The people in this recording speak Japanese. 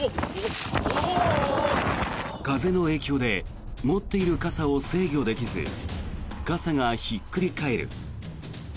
風の影響で持っている傘を制御できず傘がひっくり返る。